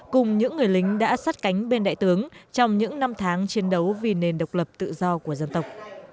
và những lĩnh đã sắt cánh bên đại tướng trong những năm tháng chiến đấu vì nền độc lập tự do của dân tộc